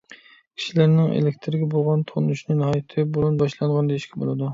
كىشىلەرنىڭ ئېلېكتىرگە بولغان تونۇشىنى ناھايىتى بۇرۇن باشلانغان دېيىشكە بولىدۇ.